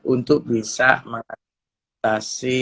untuk bisa mengaktifkan